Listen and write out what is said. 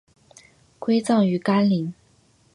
归葬于干陵。